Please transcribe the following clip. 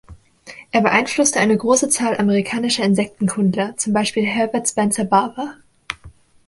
Er beeinflusste eine große Zahl amerikanischer Insektenkundler, zum Beispiel Herbert Spencer Barber.